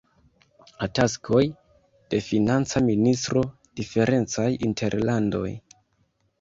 La taskoj de financa ministro diferencaj inter landoj.